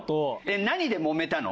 何でもめたの？